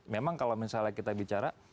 memang kalau misalnya kita bicara